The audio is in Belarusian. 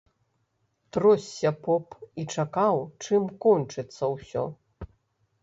Тросся поп і чакаў, чым кончыцца ўсё.